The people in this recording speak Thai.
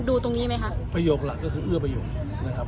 ดูตรงนี้ไหมคะประโยคหลักก็คือเอื้อประโยชน์นะครับ